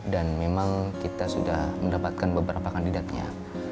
dan memang kita sudah mendapatkan beberapa kandidatnya